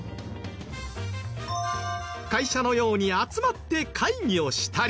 会社のように集まって会議をしたり。